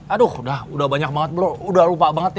aduh udah udah banyak banget bro udah lupa banget ya